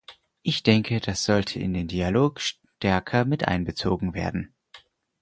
Ich denke, das sollte in den Dialog stärker miteinbezogen werden.